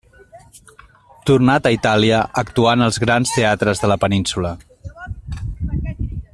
Tornat a Itàlia, actuà en els grans teatres de la península.